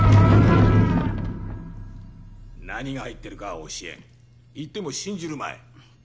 何が入ってるかは教えん言っても信じるまい